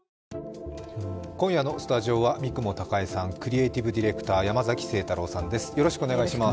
今夜のスタジオは三雲孝江さん、クリエーティブディレクター山崎晴太郎さんです。